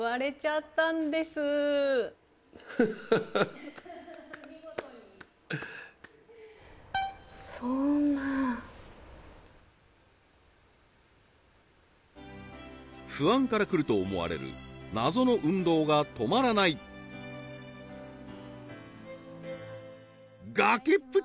ふふふふっ不安からくると思われる謎の運動が止まらない崖っぷち！